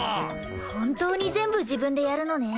本当に全部自分でやるのね。